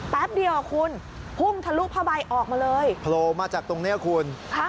แป๊บเดียวคุณพุ่งทะลุผ้าใบออกมาเลยโผล่มาจากตรงนี้คุณค่ะ